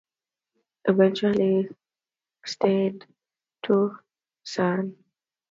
Lisbon eventually returned to Missouri but his son, George W. Applegate, stayed.